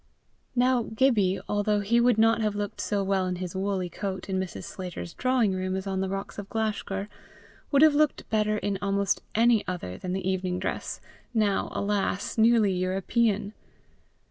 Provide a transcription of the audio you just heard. Now Gibbie, although he would not have looked so well in his woolly coat in Mrs. Sclater's drawing room as on the rocks of Glashgar, would have looked better in almost any other than the evening dress, now, alas! nearly European.